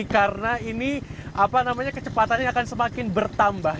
karena ini kecepatannya akan semakin bertambah